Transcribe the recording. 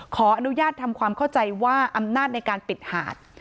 ขออนุญาตทำความเข้าใจว่าอำนาจในการปิดหาด